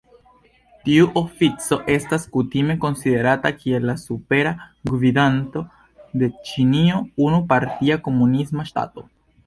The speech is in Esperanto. Tiu ofico estas kutime konsiderata kiel la Supera Gvidanto de Ĉinio, unu-partia komunisma ŝtato.